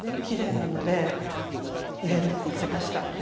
きれいなので入れるって言ってました。